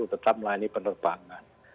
tetap melayani penerbangan